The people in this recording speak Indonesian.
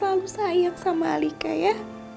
tante akan selalu sayang dengan alika ya